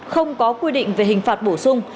không có quy định về hình phạt bổ sung